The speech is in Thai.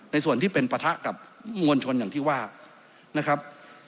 ส่วนที่เป็นปะทะกับมวลชนอย่างที่ว่านะครับ